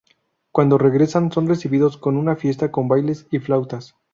Cuando regresan son recibidos con una fiesta con bailes y flautas.